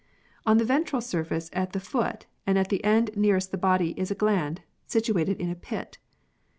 On the ventral surface of the foot and at the end nearest the body is a gland, situated in a pit.